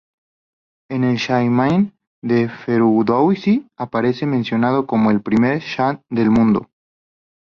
En el Shahnameh de Ferdousí aparece mencionado como el primer shāh del mundo.